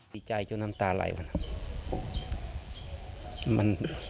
ดีใจจน้ำตาไหลวะนะ